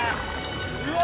うわ！